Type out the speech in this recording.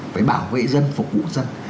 phải bảo vệ dân phục vụ dân